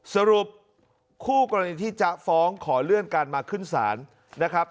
สรุปคู่กรณีที่จะฟ้องขอเลื่อนการมาขึ้นศาลนะครับ